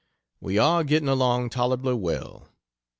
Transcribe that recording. We are getting along tolerably well.